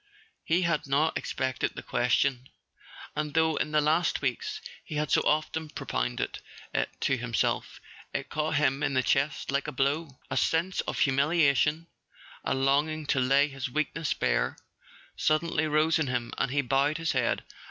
He had not expected the question, and though in the last weeks he had so often propounded it to him¬ self, it caught him in the chest like a blow. A sense of humiliation, a longing to lay his weakness bare, sud¬ denly rose in him, and he bowed his head.